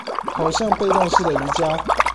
好像被動式的瑜珈